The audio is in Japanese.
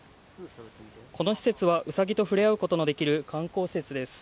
この施設はウサギと触れ合うことのできる観光施設です。